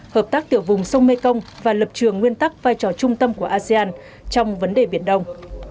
hợp tác tiểu vùng sông mekong và lập trường nguyên tắc vai trò trung tâm của asean trong vấn đề biển đông